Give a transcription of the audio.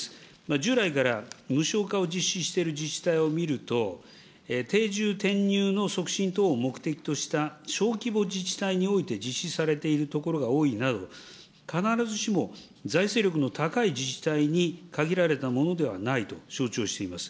従来から無償化を実施している自治体を見ると、定住転入の促進等を目的とした小規模自治体において実施されている所が多いなど、必ずしも財政力の高い自治体に限られたものではないと承知をしております。